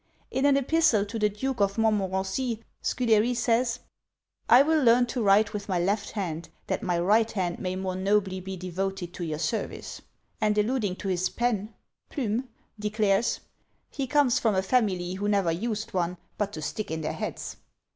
In an epistle to the Duke of Montmorency, Scudery says, "I will learn to write with my left hand, that my right hand may more nobly be devoted to your service;" and alluding to his pen (plume), declares "he comes from a family who never used one, but to stick in their hats."